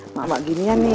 emak emak ginian nih